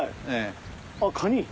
あっカニ。